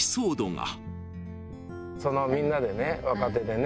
みんなでね若手でね。